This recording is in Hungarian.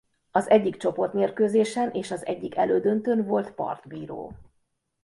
Az egyik csoportmérkőzésen és az egyik elődöntőn volt partbíró.